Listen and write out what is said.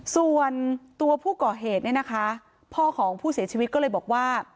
ส่วนตัวผู้ก่อเหตุเนี่ยนะคะพ่อของผู้เสียชีวิตก็เลยบอกว่า